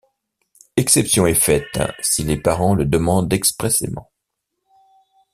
Exception est faite si les parents le demandent expressément.